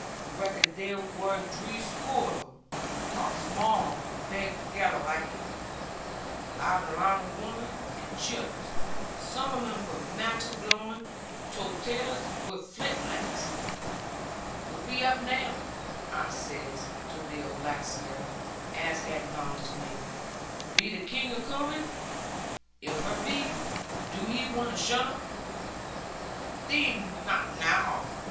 Rackon there wor dree score on 'em, tak smarl and beg togather laike; latt aloun the women and chillers; zum on em wi' matches blowing, tothers wi' flint lacks. "Wutt be up now?" I says to Bill Blacksmith, as had knowledge of me: "be the King acoomin? If her be, do 'ee want to shutt 'un?" '"Thee not knaw!"